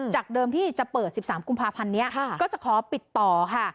เดิมที่จะเปิด๑๓กุมภาพันธ์นี้ก็จะขอปิดต่อค่ะ